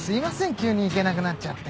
急に行けなくなっちゃって。